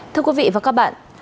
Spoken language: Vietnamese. thưa quý vị và các bạn